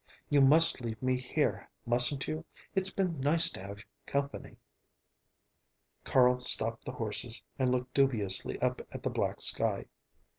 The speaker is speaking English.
You must leave me here, mustn't you? It's been nice to have company." Carl stopped the horses and looked dubiously up at the black sky.